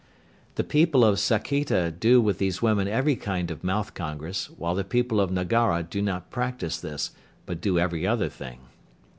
The people of Saketa do with these women every kind of mouth congress, while the people of Nagara do not practise this, but do every other thing.